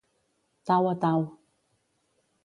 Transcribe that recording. Tau a tau.